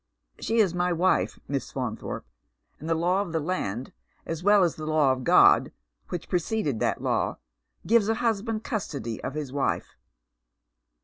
She is my wife. Miss Fa«nthorpe, and the law of the land, as well as the law of God which preceded that law, gives a hus band custody of his wife."